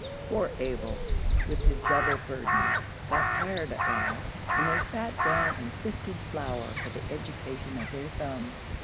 Poor Abel, with his double burden, got tired at last, and they sat down and sifted flour for the education of their thumbs.